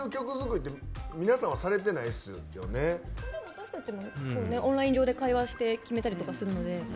私たちもオンライン上で会話して決めたりとかするので。